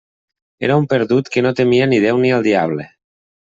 Era un perdut que no temia ni Déu ni el diable.